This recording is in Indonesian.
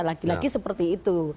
lagi lagi seperti itu